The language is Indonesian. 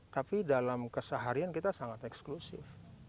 tapi dalam keseharian kita sangat eksklusif